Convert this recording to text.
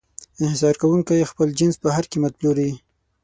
انحصار کوونکی خپل جنس په هر قیمت پلوري.